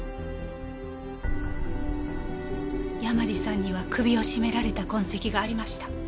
山路さんには首を絞められた痕跡がありました。